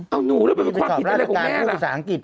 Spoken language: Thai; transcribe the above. แล้วเป็นความผิดอะไรของแม่ล่ะพี่ไปสอบราชการพูดภาษาอังกฤษ